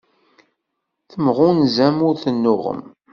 Temɣunzam ur tennuɣem.